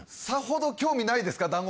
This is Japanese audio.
さほど興味ないですか？